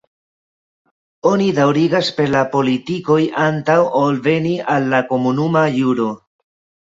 Oni daŭrigas per la politikoj antaŭ ol veni al la komunuma juro.